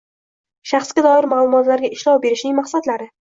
Shaxsga doir ma’lumotlarga ishlov berishning maqsadlari